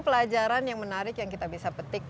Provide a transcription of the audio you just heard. pelajaran yang menarik yang kita bisa petik